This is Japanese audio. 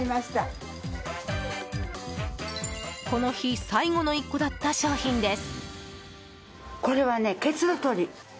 この日最後の１個だった商品です。